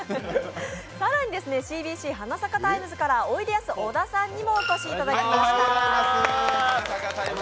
更にＣＢＣ「花咲かタイムズ」からおいでやす小田さんにもお越しいただきました。